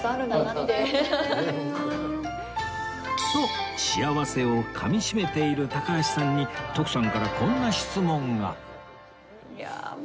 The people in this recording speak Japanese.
と幸せをかみしめている高橋さんに徳さんからいやもう。